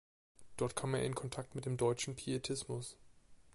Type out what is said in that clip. Dort kam er in Kontakt mit dem deutschen Pietismus.